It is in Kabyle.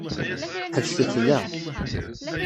Ḥebset da.